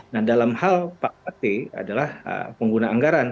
nah dalam hal pak t adalah pengguna anggaran